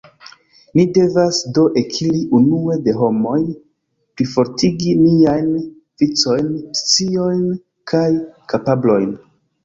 Ni devas do ekiri unue de homoj, plifortigi niajn vicojn, sciojn kaj kapablojn.